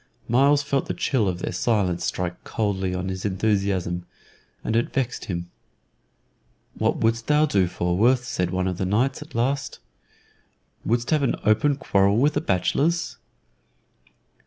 Myles felt the chill of their silence strike coldly on his enthusiasm, and it vexed him. "What wouldst thou do, Falworth?" said one of the knights, at last. "Wouldst have us open a quarrel with the bachelors?"